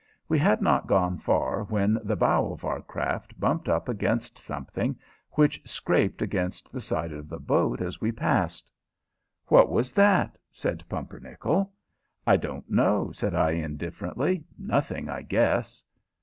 We had not gone far when the bow of our craft bumped up against something which scraped against the side of the boat as we passed. "What was that?" said Pumpernickel. "I don't know," said I, indifferently. "Nothing, I guess."